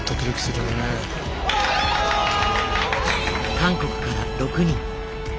韓国から６人。